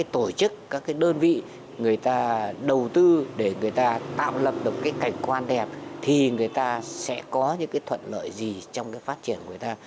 tổ chức các đơn vị người ta đầu tư để người ta tạo lập được cảnh quan đẹp thì người ta sẽ có những thuận lợi gì trong phát triển của ta